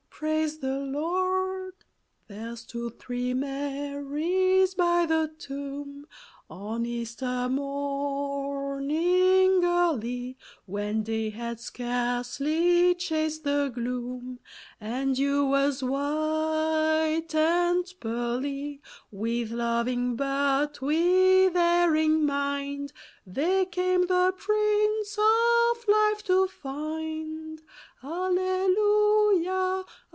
Praise the Lord ! There stood three Marys by the tomb, On Easter morning early, When day had scarcely chased the gloom, And dew was white and pearly : With loving but with erring mind They came, the Prince of Life to find. Alleluia